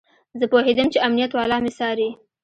زه پوهېدم چې امنيت والا مې څاري.